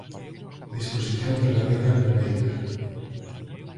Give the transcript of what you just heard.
Disposición derradeira primeira